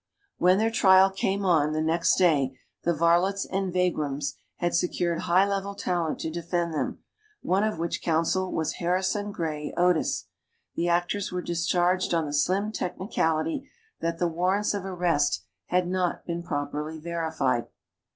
When their trial came on, the next day, the "varlots and vagroms" had secured high legal talent to defend them, one of which counsel was Harrison Gray Otis. The actors were discharged on the slim technicality that the warrants of arrest had not been properly verified.